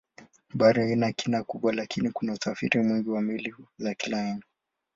Bahari haina kina kubwa lakini kuna usafiri mwingi wa meli za kila aina.